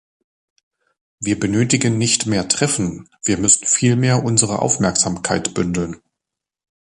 Wir benötigen nicht mehr Treffen, wir müssen vielmehr unsere Aufmerksamkeit bündeln.